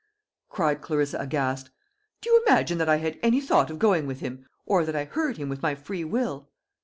cried Clarissa aghast. "Do you imagine that I had any thought of going with him, or that I heard him with my free will?"